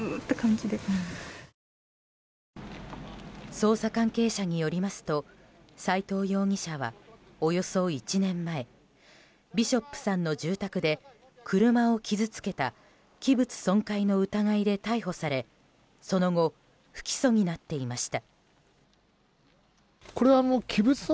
捜査関係者によりますと斎藤容疑者は、およそ１年前ビショップさんの住宅で車を傷つけた器物損壊の疑いで逮捕されその後不起訴になっていました。